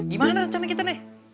gimana rancangan kita nih